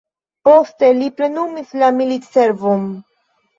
Poste li plenumis la militservon.